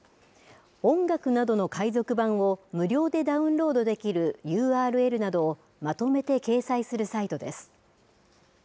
音楽などの海賊版を無料でダウンロードできるＵＲＬなどをまとめて掲載するサイトです。